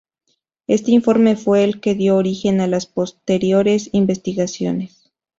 Este informe fue el que dio origen a las posteriores investigaciones.